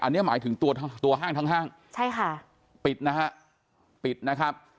อันนี้หมายถึงตัวห้างทั้งห้างใช่ค่ะปิดนะฮะปิดนะครับ